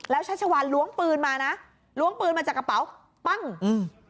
แล้วชัชวานล้วงปืนมานะล้วงปืนมาจากกระเป๋าปั้งอืม